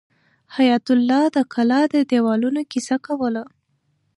حیات الله د کلا د دیوالونو کیسه کوله.